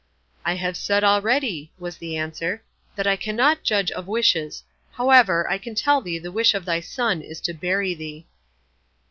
"I have said already," was the answer, "that I cannot judge of wishes; however, I can tell thee the wish of thy son is to bury thee."